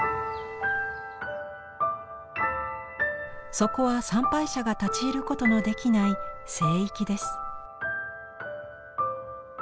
そこは参拝者が立ち入ることのできない聖域です。